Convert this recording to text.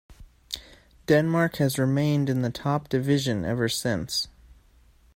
Denmark has remained in the top division ever since.